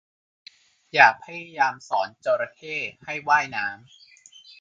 อย่าพยายามสอนจระเข้ให้ว่ายน้ำ